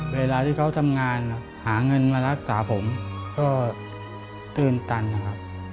เวลาที่เขาทำงานหาเงินมารักษาผมก็ตื่นตันนะครับ